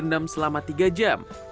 perendaman selama tiga jam